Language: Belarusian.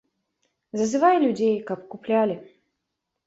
Зазывае людзей, каб куплялі.